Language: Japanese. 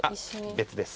別です。